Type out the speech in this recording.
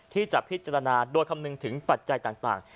ที่จะพิจารณาโดยคำนึงถึงปัจจัยต่าง